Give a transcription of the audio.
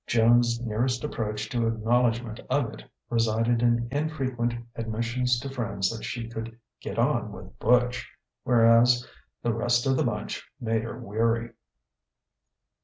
Joan's nearest approach to acknowledgment of it resided in infrequent admissions to friends that she could "get on with Butch," whereas "the rest of the bunch made her weary."